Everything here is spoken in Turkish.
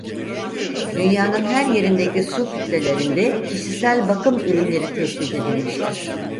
Dünyanın her yerindeki su kütlelerinde kişisel bakım ürünleri tespit edilmiştir.